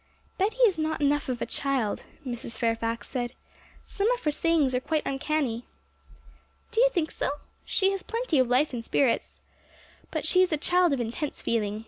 'Betty is not enough of a child,' Mrs. Fairfax said; 'some of her sayings are quite uncanny.' 'Do you think so? She has plenty of life and spirits. But she is a child of intense feeling.